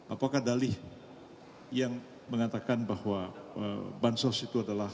apakah dalih yang mengatakan bahwa bansos itu adalah